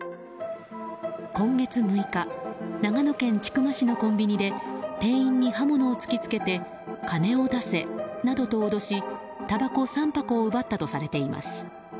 今月６日長野県千曲市のコンビニで店員に刃物を突き付けて金を出せなどと脅したばこ３箱を奪ったとされています。